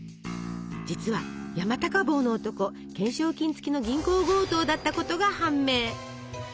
実は山高帽の男懸賞金付きの銀行強盗だったことが判明。